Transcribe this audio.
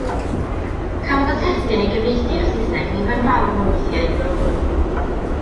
Cafodd y testun ei gyfieithu i'r Saesneg nifer fawr o weithiau.